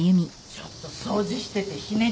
ちょっと掃除しててひねっちゃって。